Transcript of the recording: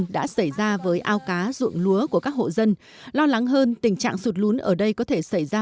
đã xảy ra với ao cá ruộng lúa của các hộ dân lo lắng hơn tình trạng sụt lún ở đây có thể xảy ra